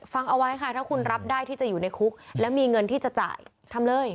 ฟังเอาไว้ค่ะถ้าคุณรับได้ที่จะอยู่ในคุกแล้วมีเงินที่จะจ่ายทำเลย